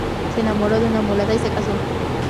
Se enamoró de una mulata y se casó.